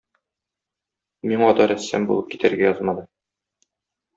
Миңа да рәссам булып китәргә язмады.